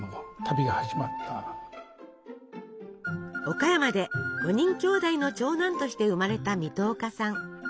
岡山で５人きょうだいの長男として生まれた水戸岡さん。